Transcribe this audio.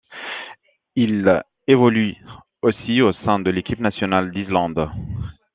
Il évolue aussi au sein de l'équipe nationale d'Islande.